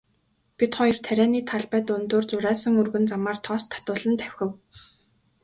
Бид хоёр тарианы талбай дундуур зурайсан өргөн замаар тоос татуулан давхив.